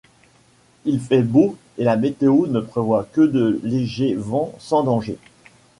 Il fait beau et la météo ne prévoit que de légers vents sans danger.